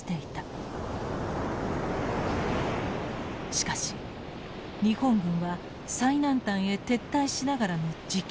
しかし日本軍は最南端へ撤退しながらの持久戦を決断。